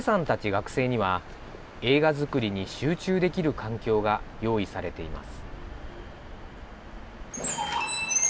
学生には、映画作りに集中できる環境が用意されています。